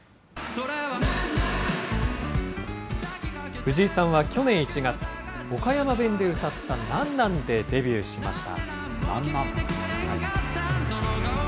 藤井さんは去年１月、岡山弁で歌った何なんｗでデビューしました。